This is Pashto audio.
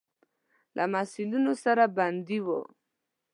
له محصلینو سره بندي وو.